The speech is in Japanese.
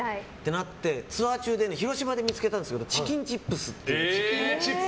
なってツアー中に広島で見つけたんですけどチキンチップス。